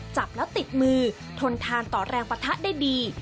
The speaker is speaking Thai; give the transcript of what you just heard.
จับแล้วติดมือทนทานต่อแรงปะทะได้ดี